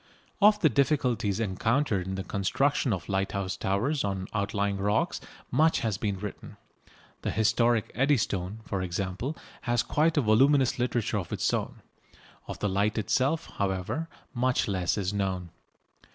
Of the difficulties encountered in the construction of lighthouse towers on outlying rocks much has been written. The historic Eddystone, for example, has quite a voluminous literature of its own. Of the light itself, however, much less is known.